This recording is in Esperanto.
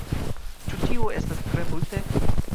Ĉu tio estas tre multe?